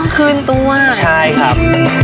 คืนตัวใช่ครับ